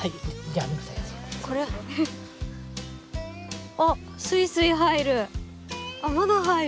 あスイスイ入る。